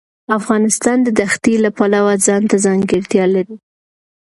افغانستان د دښتې د پلوه ځانته ځانګړتیا لري.